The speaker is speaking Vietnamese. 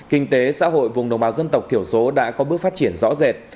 kinh tế xã hội vùng đồng bào dân tộc thiểu số đã có bước phát triển rõ rệt